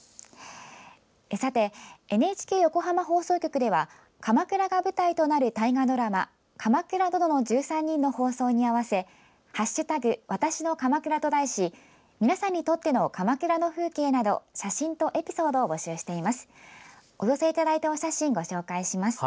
さて、ＮＨＫ横浜放送局では鎌倉が舞台となる大河ドラマ「鎌倉殿の１３人」の放送に合わせ「＃わたしの鎌倉」と題し皆さんにとっての鎌倉の風景など写真とエピソードを募集しています。